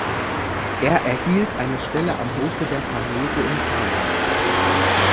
Er erhielt eine Stelle am Hofe der Farnese in Parma.